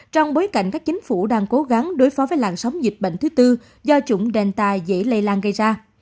trong bối cảnh các chính phủ đang cố gắng đối phó với làn sóng dịch bệnh thứ tư do chủng đen tài dễ lây lan gây ra